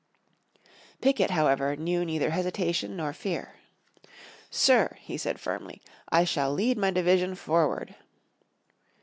Pickett, however, knew neither hesitation nor fear. "Sir," he said firmly, "I shall lead my division forward."